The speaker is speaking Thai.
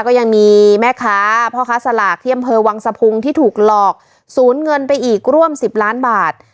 ก็ยังมีแม่ค้าพ่อค้าสลากที่อำเภอวังสะพุงที่ถูกหลอกศูนย์เงินไปอีกร่วม๑๐ล้านบาท